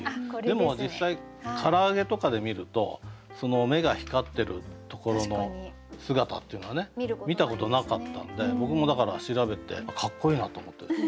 でも実際唐揚げとかで見ると目が光ってるところの姿っていうのは見たことなかったんで僕もだから調べてかっこいいなと思ってですね